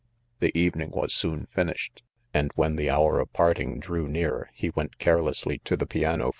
The evening 1 was finished, and wheal the hour of parting drew near he went carelessly to the piano.